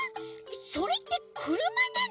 それってくるまなの？